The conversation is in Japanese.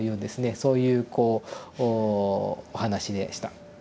そういうこうお話でした。